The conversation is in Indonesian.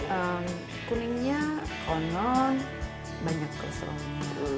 telur kuningnya kolon banyak keseluruhannya